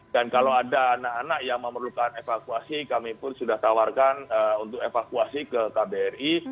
dan kalau ada anak anak yang memerlukan evakuasi kami pun sudah tawarkan untuk evakuasi ke kbri